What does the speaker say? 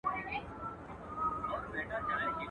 ته هم اسېوان ، زه هم اسېوان، ته ما ته وائې غزل ووايه.